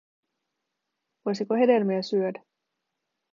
Voisiko hedelmiä syödä?